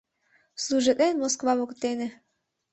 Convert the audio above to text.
Служитлен Москва воктене.